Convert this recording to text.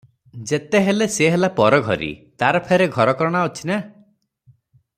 ଯେତେ ହେଲେ ସେ ହେଲା ପରଘରୀ, ତାର ଫେର ଘରକରଣା ଅଛି ନା?